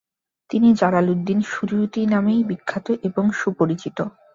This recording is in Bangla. তিনি জালালুদ্দীন সুয়ুতী নামেই বিখ্যাত এবং সুপরিচিত ।